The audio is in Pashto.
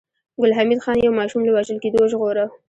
ګل حمید خان يو ماشوم له وژل کېدو وژغوره